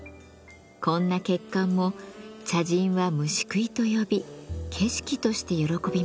こんな欠陥も茶人は「虫喰い」と呼び景色として喜びました。